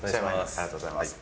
ありがとうございます。